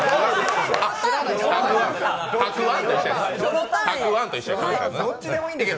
たくあんと一緒で。